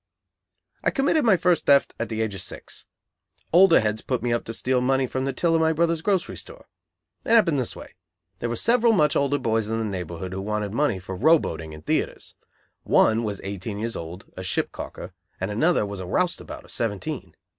I committed my first theft at the age of six. Older heads put me up to steal money from the till of my brother's grocery store. It happened this way. There were several much older boys in the neighborhood who wanted money for row boating and theatres. One was eighteen years old, a ship caulker; and another was a roustabout of seventeen.